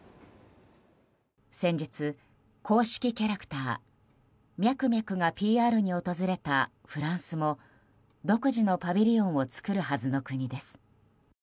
先日、公式キャラクターミャクミャクがＰＲに訪れたフランスも独自のパビリオンを作るはずの国です。